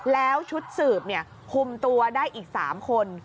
แล้วชุดสืบคุมตัวได้อีก๓คน